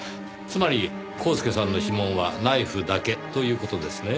つまりコースケさんの指紋はナイフだけという事ですね。